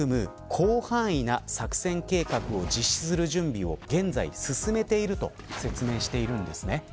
広範囲な作戦計画を実施する準備を現在進めていると説明しているんですね。